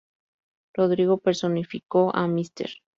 Rodrigo personificó a Mr.